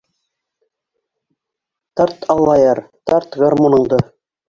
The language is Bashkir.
— Тарт, Аллаяр, тарт гармуныңды!